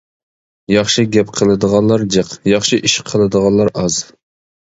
ياخشى گەپ قىلىدىغانلار جىق، ياخشى ئىش قىلىدىغانلار ئاز.